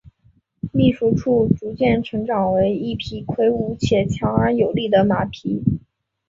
秘书处逐渐成长为一匹魁伟且强而有力的马匹。